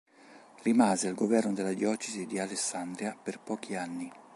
Rimase al governo della diocesi di Alessandria per pochi anni.